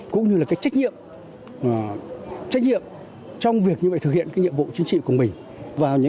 cũng như trách nhiệm trong việc thực hiện nhiệm vụ chính trị của mình